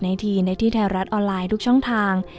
ทีในที่ไทยรัฐออนไลน์ทุกช่องทาง